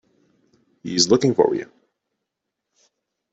He's looking for you.